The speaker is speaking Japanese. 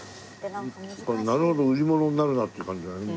これなるほど売り物になるなって感じだね。